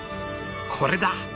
「これだ！」